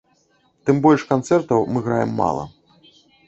Тым больш, канцэртаў мы граем мала.